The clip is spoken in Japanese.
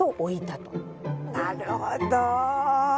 なるほど。